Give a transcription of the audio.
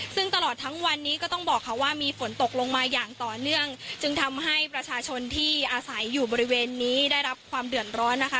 ซึ่งตลอดทั้งวันนี้ก็ต้องบอกค่ะว่ามีฝนตกลงมาอย่างต่อเนื่องจึงทำให้ประชาชนที่อาศัยอยู่บริเวณนี้ได้รับความเดือดร้อนนะคะ